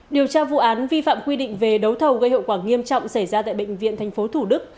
điều tra vụ án vi phạm quy định về đấu thầu gây hậu quả nghiêm trọng xảy ra tại bệnh viện tp thủ đức